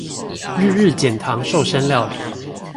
日日減醣瘦身料理